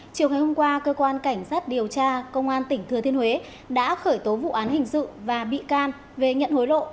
chiều ngày hôm qua cơ quan cảnh sát điều tra công an tỉnh thừa thiên huế đã khởi tố vụ án hình sự và bị can về nhận hối lộ